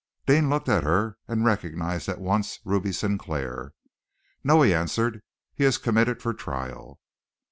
Deane looked at her, and recognized at once Ruby Sinclair. "No!" he answered. "He is committed for trial."